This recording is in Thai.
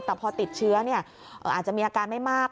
แต่พอติดเชื้ออาจจะมีอาการไม่มาก